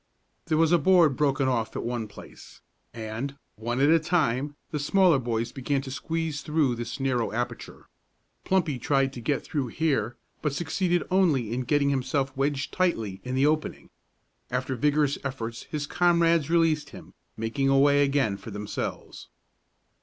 There was a board broken off at one place, and, one at a time, the smaller boys began to squeeze through this narrow aperture. Plumpy tried to get through here, but succeeded only in getting himself wedged tightly in the opening. After vigorous efforts his comrades released him, making a way again for themselves.